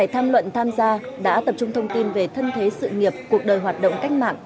bảy tham luận tham gia đã tập trung thông tin về thân thế sự nghiệp cuộc đời hoạt động cách mạng